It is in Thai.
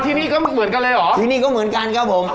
ที่นี่ก็เหมือนกันเลยเหรอที่นี่ก็เหมือนกันครับผม